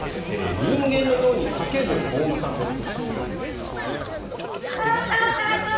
人間のように叫ぶオウムさんです。